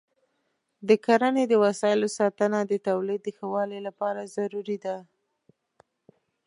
د کرنې د وسایلو ساتنه د تولید د ښه والي لپاره ضروري ده.